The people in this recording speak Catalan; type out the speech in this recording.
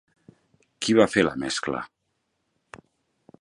Qui va fer la mescla?